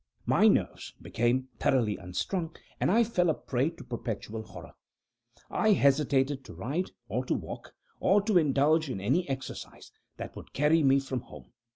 My nerves became thoroughly unstrung, and I fell a prey to perpetual horror. I hesitated to ride, or to walk, or to indulge in any exercise that would carry me from home.